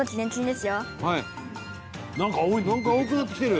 なんか青いの出てきてる！